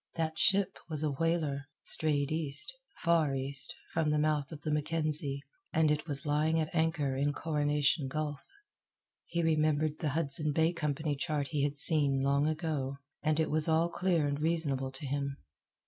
That ship was a whaler, strayed east, far east, from the mouth of the Mackenzie, and it was lying at anchor in Coronation Gulf. He remembered the Hudson Bay Company chart he had seen long ago, and it was all clear and reasonable to him.